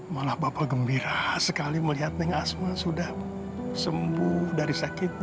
malah bapak gembira sekali melihat ning asma sudah sembuh dari sakit